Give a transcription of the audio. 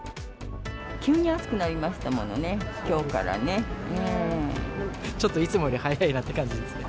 急に暑くなりましたものね、ちょっといつもより早いなっていう感じですね。